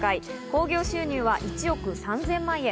興行収入は１億３０００万円。